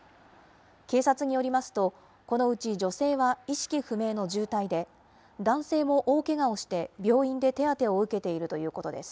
警察によりますと、このうち女性は意識不明の重体で、男性も大けがをして病院で手当てを受けているということです。